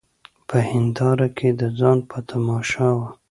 په هینداره کي د ځان په تماشا وه